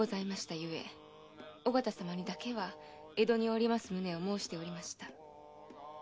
ゆえ尾形様にだけは江戸におります旨を申しておりました。